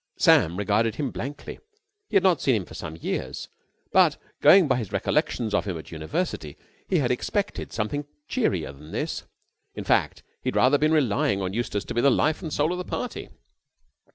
Sam regarded him blankly. He had not seen him for some years, but, going by his recollections of him at the University, he had expected something cheerier than this. In fact, he had rather been relying on Eustace to be the life and soul of the party.